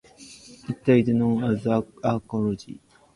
It is known as the Arcology.